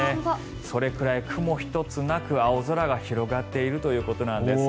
それくらい雲一つなく青空が広がっているということなんです。